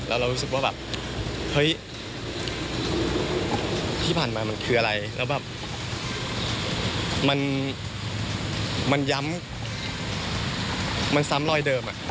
แล้วเรารู้สึกว่าแบบเฮ้ยที่ผ่านมามันคืออะไรแล้วแบบมันย้ำมันซ้ำรอยเดิม